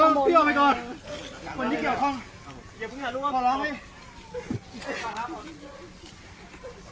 ตายอีกแล้ว